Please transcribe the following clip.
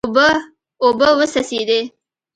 اوبه وڅڅېدې.